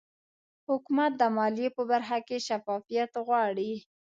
حکومت د مالیې په برخه کې شفافیت غواړي